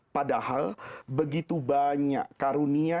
padahal begitu banyak karunia